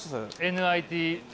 Ｎ・Ｉ・Ｔ。